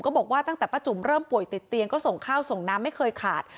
บอกว่าตั้งแต่ป้าจุ๋มเริ่มป่วยติดเตียงก็ส่งข้าวส่งน้ำไม่เคยขาด